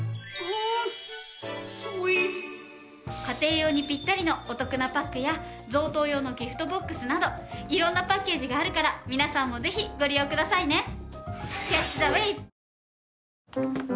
家庭用にぴったりのお得なパックや贈答用のギフトボックスなど色んなパッケージがあるから皆さんもぜひご利用くださいね。